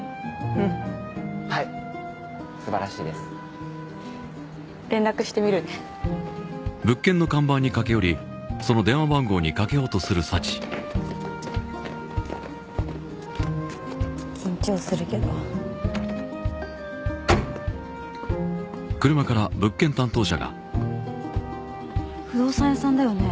うんはいすばらしいです連絡してみるね緊張するけど不動産屋さんだよね？